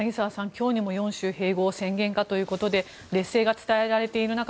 今日にも４州併合宣言かと劣勢が伝えられている中